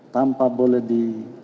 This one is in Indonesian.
tanpa boleh di